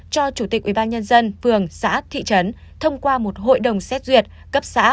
cho chủ tịch ubnd phường xã thị trấn thông qua một hội đồng xét duyệt cấp xã